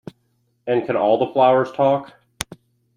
And can all the flowers talk?